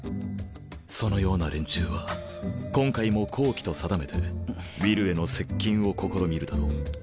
そのような連中は今回も好機と定めてウィルへの接近を試みるだろう。